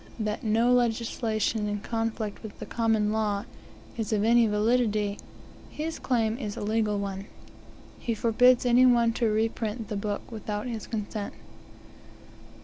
that no legislation, in conflict with the Common Law, is of any validity, his claim is a legal one. He forbids any one to reprint the book without his consent.